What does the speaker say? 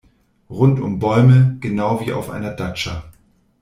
Rundum Bäume, genau wie auf einer Datscha.